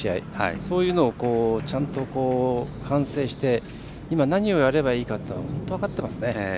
そういうのをちゃんと反省して今何をやればいいのかというのを本当、分かってますね。